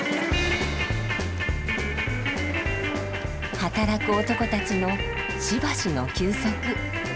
働く男たちのしばしの休息。